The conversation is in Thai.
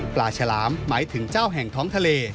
ฉลามหมายถึงเจ้าแห่งท้องทะเล